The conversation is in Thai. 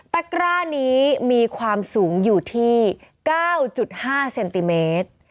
กร้านี้มีความสูงอยู่ที่๙๕เซนติเมตร